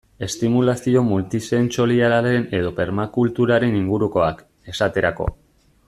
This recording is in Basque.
Estimulazio multisentsorialaren edo permakulturaren ingurukoak, esaterako.